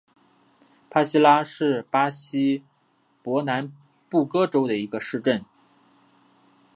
帕西拉是巴西伯南布哥州的一个市镇。